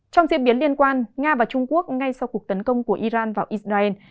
trong diễn biến liên quan nga và trung quốc ngay sau cuộc tấn công của iran vào israel